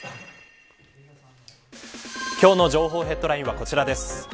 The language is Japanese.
今日の情報ヘッドラインはこちらです。